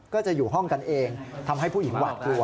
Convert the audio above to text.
ก็จะอยู่ห้องกันเองทำให้ผู้หญิงหวาดกลัว